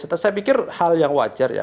saya pikir hal yang wajar ya